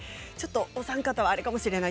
お三方は、あれかもしれない